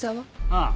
ああ。